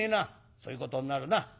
「そういうことになるな」。